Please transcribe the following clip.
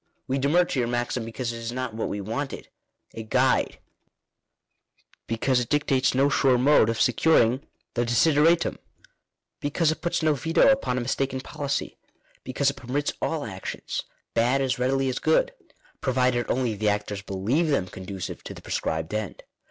We demur to your maxim because it is not what we wanted — a guide ; because it dictates no sure mode of securing the desideratum ; because it puts no veto upon a mistaken policy ; because it permits all actions bad, as readily as good— provided only the actors believe them conducive to the prescribed end.